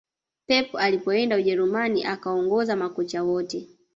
pep alipoenda ujerumani akaongoza makocha wote